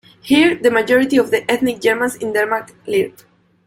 Here the majority of the ethnic Germans in Denmark lived.